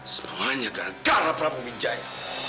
semuanya gagal raffraimuwijaya